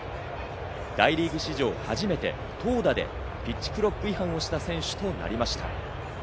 大リーグ史上初めて投打でピッチクロック違反をした選手となりました。